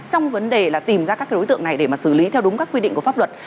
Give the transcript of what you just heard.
trong vấn đề là tìm ra các đối tượng này để xử lý theo đúng các quy định của pháp luật